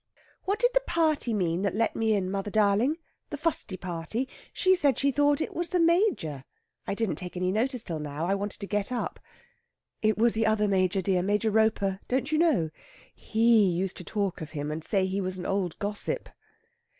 "What did the party mean that let me in, mother darling? The fusty party? She said she thought it was the Major. I didn't take any notice till now. I wanted to get up." "It was the other Major, dear Major Roper. Don't you know? He used to talk of him, and say he was an old gossip."